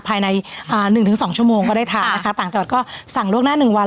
ภายใน๑๒ชั่วโมงก็ได้ทานนะคะต่างจังหวัดก็สั่งล่วงหน้า๑วัน